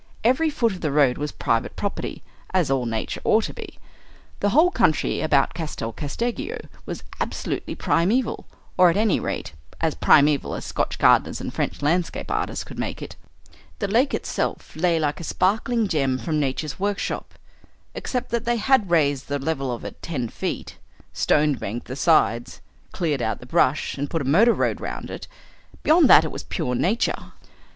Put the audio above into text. Every foot of the road was private property, as all nature ought to be. The whole country about Castel Casteggio was absolutely primeval, or at any rate as primeval as Scotch gardeners and French landscape artists could make it. The lake itself lay like a sparkling gem from nature's workshop except that they had raised the level of it ten feet, stone banked the sides, cleared out the brush, and put a motor road round it. Beyond that it was pure nature.